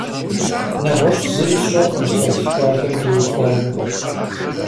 НэгъуэщӀ зыри сщӀэркъым сыкъэзылъхуахэм теухуауэ.